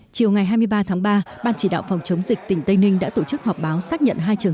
chiều ngày hai mươi ba tháng ba ban chỉ đạo phòng chống dịch tỉnh tây ninh đã tổ chức họp báo xác nhận hai trường